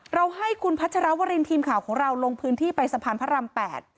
เราให้คุณพัชรวรินทีมข่าวของเราลงพื้นที่ไปสะพานพระราม๘